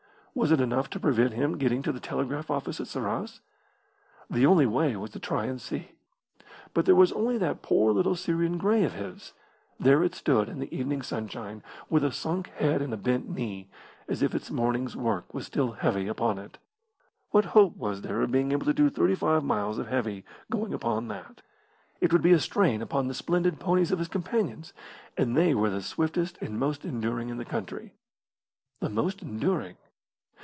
Was it enough to prevent him getting to the telegraph office at Sarras? The only way was to try and see. But there was only that poor little Syrian grey of his. There it stood in the evening sunshine, with a sunk head and a bent knee, as if its morning's work was still heavy upon it. What hope was there of being able to do thirty five miles of heavy going upon that? It would be a strain upon the splendid ponies of his companions and they were the swiftest and most enduring in the country. The most enduring?